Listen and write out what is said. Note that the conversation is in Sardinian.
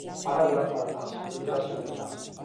A paràulas macas origras surdas!